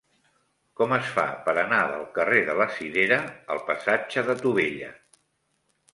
Com es fa per anar del carrer de la Cirera al passatge de Tubella?